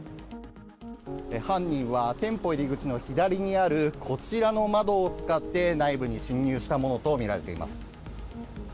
犯人は店舗入り口の左にあるこちらの窓を使って、内部に侵入したものとみられています。